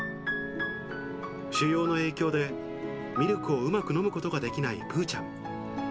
腫瘍の影響で、ミルクをうまく飲むことができないぷーちゃん。